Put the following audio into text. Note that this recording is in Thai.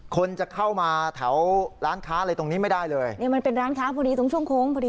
คนจะเข้ามาแถวร้านค้าอะไรตรงนี้ไม่ได้เลยเนี่ยมันเป็นร้านค้าพอดีตรงช่วงโค้งพอดี